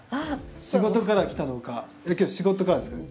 仕事からきたのか仕事からですかね？